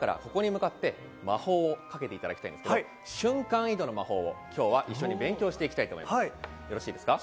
今からここに向かって魔法をかけていただきたいんですけど、瞬間移動の魔法を今日は一緒に勉強していきたいと思います。